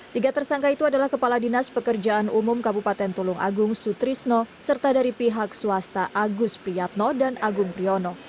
tiga tersangka itu adalah kepala dinas pekerjaan umum kabupaten tulung agung sutrisno serta dari pihak swasta agus priyatno dan agung priyono